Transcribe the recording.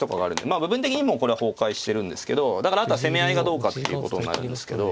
まあ部分的にもうこれは崩壊してるんですけどだからあとは攻め合いがどうかっていうことになるんですけど。